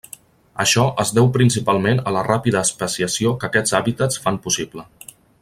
Això es deu principalment a la ràpida especiació que aquests hàbitats fan possible.